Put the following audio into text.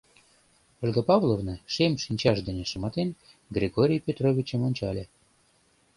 — Ольга Павловна, шем шинчаж дене шыматен, Григорий Петровичым ончале.